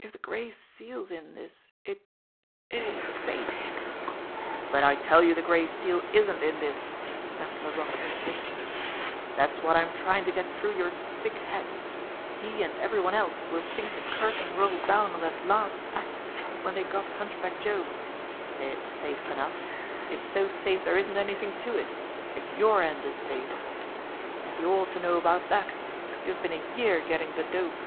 "If the Gray Seal's in this, it it ain't safe." "But I tell you the Gray Seal isn't in this," snapped La roque impatiently. "That's what I'm trying to get through your thick head ! He and every one else will think the cur tain rolled down on the last act when they got Hunchback Joe. It's safe enough ! It's so safe there isn't anything to it, THE GRAY SEAL 25 if your end is safe. And you ought to know about that you've been a year getting the dope."